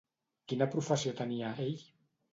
Quina professió tenia ell?